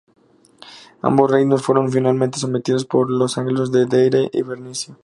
Ambos reinos fueron finalmente sometidos por los anglos de Deira y Bernicia.